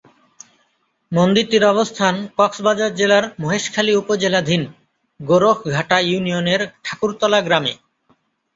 মন্দিরটির অবস্থান কক্সবাজার জেলার মহেশখালী উপজেলাধীন গোরখঘাটা ইউনিয়নের ঠাকুরতলা গ্রামে।